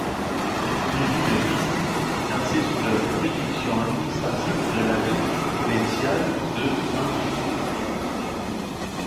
C'est une ville-district placée sous la juridiction administrative de la ville sous-provinciale de Hangzhou.